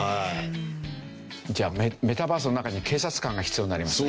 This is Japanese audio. じゃあメタバースの中に警察官が必要になりますね。